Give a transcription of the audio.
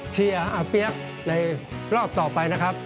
เชียร์อาเปี๊ยกในรอบต่อไปนะครับ